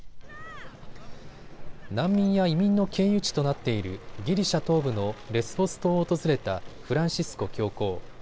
難民や移民の経由地となっているギリシャ東部のレスボス島を訪れたフランシスコ教皇。